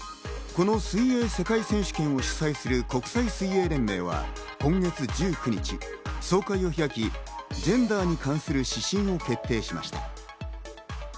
この水泳世界選手権を主催する国際水泳連盟は、今月１９日、総会を開き、ジェンダーに関する指針を決定しました。